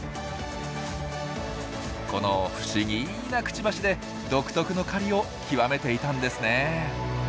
この不思議なクチバシで独特の狩りを極めていたんですね。